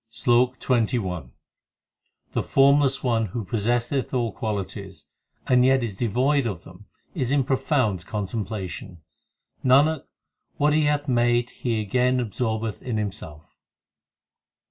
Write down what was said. SLOK XXI The Formless One who possesseth all qualities, and yet is devoid of them is in profound contemplation ; Nanak, what He hath made He again absorbeth in Him self.